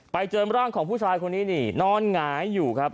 ไปเจอร่างของผู้ชายคนนี้นี่นอนหงายอยู่ครับ